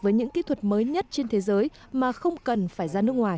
với những kỹ thuật mới nhất trên thế giới mà không cần phải ra nước ngoài